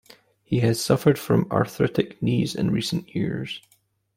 He has suffered from arthritic knees in recent years.